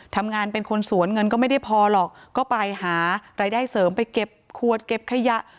ทำงานเป็นคนสวนเงินก็ไม่ได้พอหรอกก็ไปหารายได้เสริมไปเก็บขวดเก็บขยะ